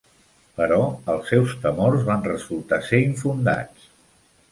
Però els seus temors van resultar ser infundats.